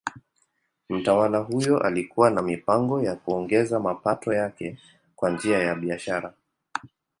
Mtawala huyo alikuwa na mipango ya kuongeza mapato yake kwa njia ya biashara.